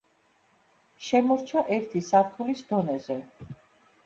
შემორჩა ერთი სართულის დონეზე.